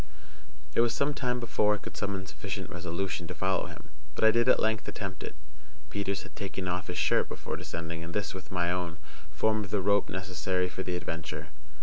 It was some time before I could summon sufficient resolution to follow him; but I did at length attempt it. Peters had taken off his shirt before descending, and this, with my own, formed the rope necessary for the adventure.